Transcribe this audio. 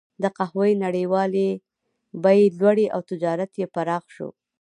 د قهوې نړیوالې بیې لوړې او تجارت یې پراخ شو.